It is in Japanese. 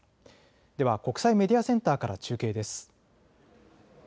では国際メディアセンターから中継です。